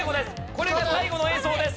これが最後の映像です。